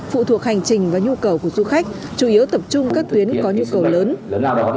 phụ thuộc hành trình và nhu cầu của du khách chủ yếu tập trung các tuyến có nhu cầu lớn